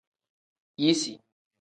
Yisi.